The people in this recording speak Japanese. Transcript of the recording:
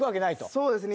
そうですね。